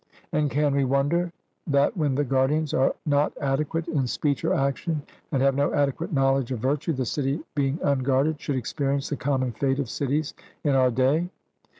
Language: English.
And can we wonder that when the guardians are not adequate in speech or action, and have no adequate knowledge of virtue, the city being unguarded should experience the common fate of cities in our day?